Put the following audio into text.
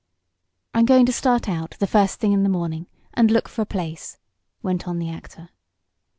"I'm going to start out, the first thing in the morning, and look for a place," went on the actor.